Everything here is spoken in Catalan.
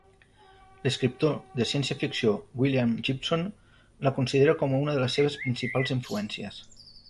L'escriptor de ciència-ficció William Gibson la considera com a una de les seves principals influències.